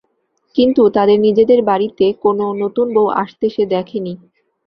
কিন্তু তাদের নিজেদের বাড়িতে কোনো নতুন বউ আসতে সে দেখে নি।